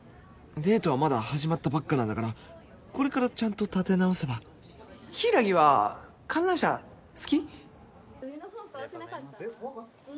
デートはまだ始まったばっかなんだからこれからちゃんと立て直せば柊は観覧車好き？